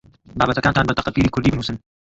بابەتەکانتان بە تەختەکلیلی کوردی بنووسن.